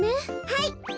はい。